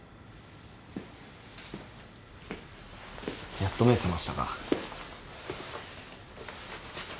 やっと目覚ましたか。